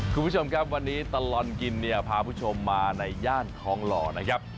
คุณผู้ชมครับวันนี้ตลอดกินเนี่ยพาผู้ชมมาในย่านทองหล่อนะครับ